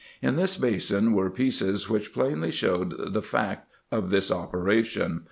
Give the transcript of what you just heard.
In this basin were pieces, which plainly showed the fact of this operation.